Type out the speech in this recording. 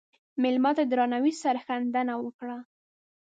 مېلمه ته د درناوي سرښندنه وکړه.